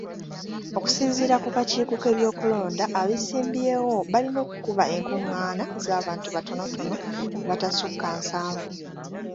Okusinziira ku kakiiko k'ebyokulonda, abeesimbyewo balina okukuba enkung'aana z'abantu batontono abatasukka nsanvu.